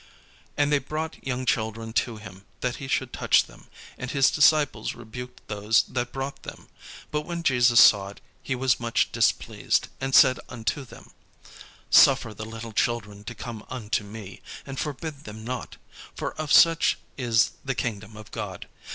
And they brought young children to him, that he should touch them: and his disciples rebuked those that brought them. But when Jesus saw it, he was much displeased, and said unto them: "Suffer the little children to come unto me, and forbid them not: for of such is the kingdom of God.